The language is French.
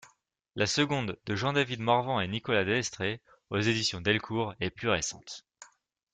La seconde, de Jean-David Morvan et Nicolas Delestret, aux éditions Delcourt, est plus récente.